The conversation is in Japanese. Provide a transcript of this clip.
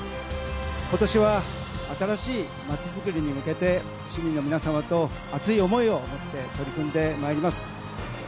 今年は新しいまちづくりに向けて市民の皆様と熱い思いで取り組んでまいります。